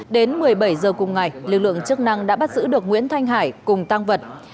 đến một mươi bảy h cùng ngày lực lượng chức năng đã bắt giữ được nguyễn thanh hải cùng tăng vật